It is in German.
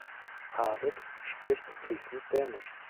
Habeck spricht fließend Dänisch.